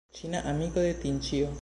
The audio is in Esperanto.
Ĉina amiko de Tinĉjo.